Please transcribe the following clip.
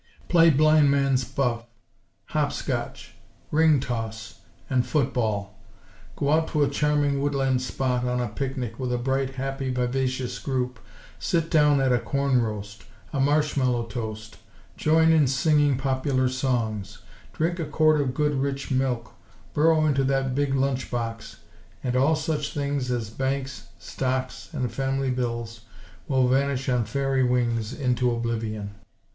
Play "blind man's buff," "hop scotch," "ring toss," and football. Go out to a charming woodland spot on a picnic with a bright, happy, vivacious group. Sit down at a corn roast; a marshmallow toast; join in singing popular songs; drink a quart of good, rich milk; burrow into that big lunch box; and all such things as banks, stocks, and family bills, will vanish on fairy wings, into oblivion.